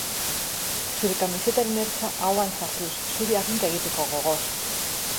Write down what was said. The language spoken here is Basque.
Zure kamisetaren ertza ahoan sartuz, zuri haginka egiteko gogoz.